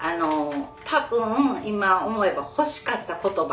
多分今思えば欲しかった言葉。